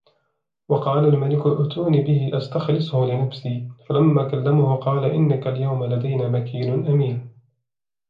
وقال الملك ائتوني به أستخلصه لنفسي فلما كلمه قال إنك اليوم لدينا مكين أمين